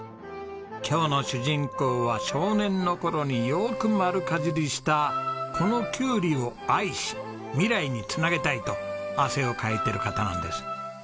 今日の主人公は少年の頃によく丸かじりしたこのキュウリを愛し未来に繋げたいと汗をかいている方なんです。